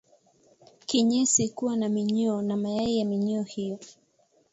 Kinyesi kuwa na minyoo na mayai ya minyoo hiyo